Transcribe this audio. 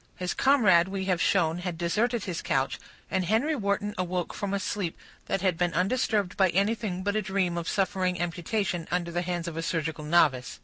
His comrade, we have shown, had deserted his couch; and Henry Wharton awoke from a sleep that had been undisturbed by anything but a dream of suffering amputation under the hands of a surgical novice.